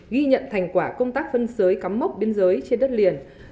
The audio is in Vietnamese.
ghi nhận thành quả công tác phân giới cắm mốc biên giới trên đất liền